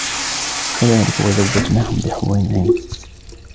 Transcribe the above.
كَذَلِكَ وَزَوَّجْنَاهُمْ بِحُورٍ عِينٍ